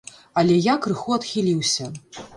Але я крыху адхіліўся.